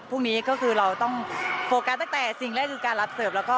พวกนี้ก็คือเราต้องโฟกัสตั้งแต่สิ่งแรกคือการรับเสิร์ฟแล้วก็